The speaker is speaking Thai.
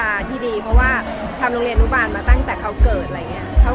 มันไม่ได้คุยอะไรกันเลยอะไรอย่างเงี้ยครับ